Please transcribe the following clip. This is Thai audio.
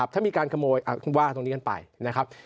ถ้ามีการขโมยคุณว่าตรงนี้กันไปนะครับ